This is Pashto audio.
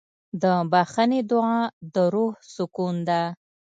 د بښنې دعا د روح سکون ده.